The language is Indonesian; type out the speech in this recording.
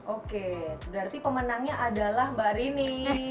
oke berarti pemenangnya adalah mbak rini